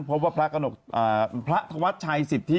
พบว่าพระวัดชายสิทธิ